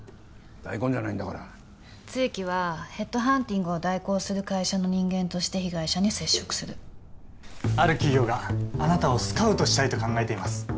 大根じゃないんだから露木はヘッドハンティングを代行する会社の人間として被害者に接触するある企業があなたをスカウトしたいと考えています